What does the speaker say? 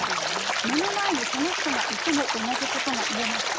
目の前にその人がいても同じことが言えますか。